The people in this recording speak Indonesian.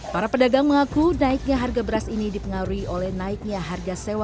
para pedagang mengaku naiknya harga beras ini dipengaruhi oleh naiknya harga sewa